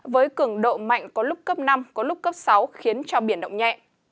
với cường độ mạnh có lúc cấp năm có lúc cấp sáu khiến cho biển động nhẹ